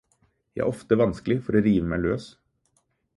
Jeg har ofte vanskelig for å rive meg løs.